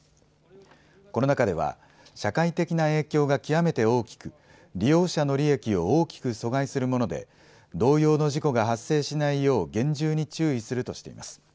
この中では社会的な影響が極めて大きく利用者の利益を大きく阻害するもので同様の事故が発生しないよう厳重に注意するとしています。